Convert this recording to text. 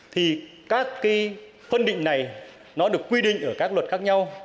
thì các cái phân định này nó được quy định ở các luật khác nhau